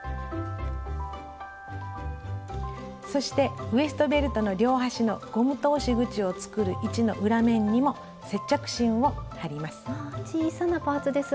そしてウエストベルトの両端のゴム通し口を作る位置の裏面にも接着芯を貼ります。